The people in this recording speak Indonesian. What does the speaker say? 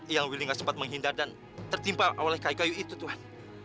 yang willinga sempat menghindar dan tertimpa oleh kayu kayu itu tuhan